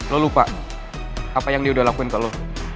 lo lupa apa yang dia udah lakuin ke lo